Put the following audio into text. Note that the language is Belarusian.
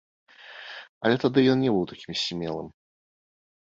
Але тады ён не быў такім смелым.